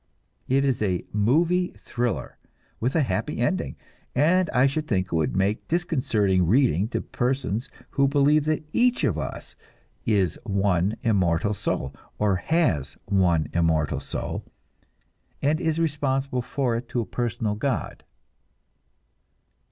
It is a "movie" thriller with a happy ending, and I should think it would make disconcerting reading to persons who believe that each of us is one immortal soul, or "has" one immortal soul, and is responsible for it to a personal God.